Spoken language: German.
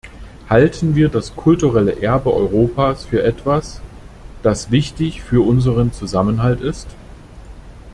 Halten wir das kulturelle Erbe Europas für etwas, das wichtig für unseren Zusammenhalt ist?